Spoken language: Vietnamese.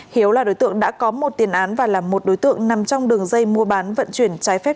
hiếu là đối tượng đã có một tiền án và là một đối tượng nằm trong đường dây mua bán vận chuyển trái phép